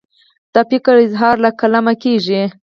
د فکر اظهار له قلمه کیږي.